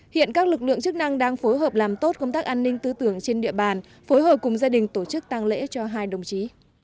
hiện các lực lượng chức năng đang phối hợp làm tốt công tác an ninh tư tưởng trên địa bàn phối hợp cùng gia đình tổ chức tăng lễ cho hai đồng chí